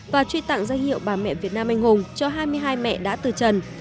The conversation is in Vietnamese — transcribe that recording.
và truy tặng danh hiệu bà mẹ việt nam anh hùng cho hai mươi hai mẹ đã từ trần